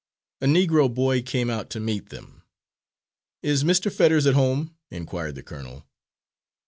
A Negro boy came out to meet them. "Is Mr. Fetters at home," inquired the colonel?